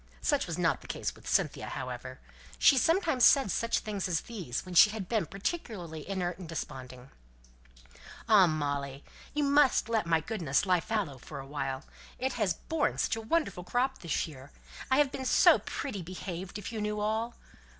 Such was not the case with Cynthia, however. She sometimes said such things as these, when she had been particularly inert and desponding: "Ah, Molly, you must let my goodness lie fallow for a while! It has borne such a wonderful crop this year. I have been so pretty behaved if you knew all!"